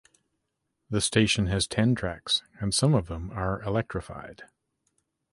The station has ten tracks and some of them are electrified.